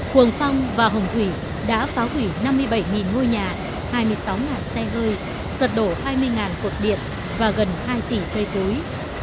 hường phong và hồng thủy đã phá hủy năm mươi bảy ngôi nhà hai mươi sáu xe hơi giật đổ hai mươi cột điện và gần hai tỷ cây cối